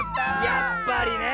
やっぱりねえ。